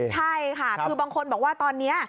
ใช่ค่ะคือบางคนบอกว่าตอนนี้